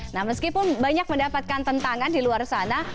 nah meskipun banyak mendapatkan tentangan di luar sana